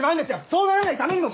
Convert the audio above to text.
そうならないためにも！